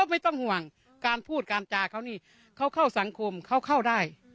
ไม่ต้องห่วงการพูดการจาเขานี่เขาเข้าสังคมเขาเข้าได้